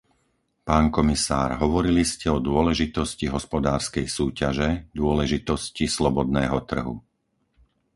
Pán komisár, hovorili ste o dôležitosti hospodárskej súťaže, dôležitosti slobodného trhu.